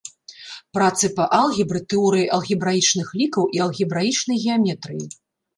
Працы па алгебры, тэорыі алгебраічных лікаў і алгебраічнай геаметрыі.